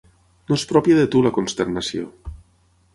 No és pròpia de tu la consternació.